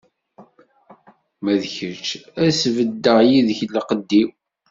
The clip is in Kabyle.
Ma d kečč, ad sbeddeɣ yid-k leɛqed-iw.